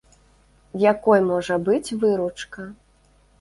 Якой можа быць выручка?